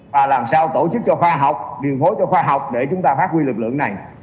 và làm sao tổ chức cho khoa học điều phối cho khoa học để chúng ta phát huy lực lượng này